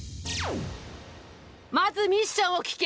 まずミッションを聞け！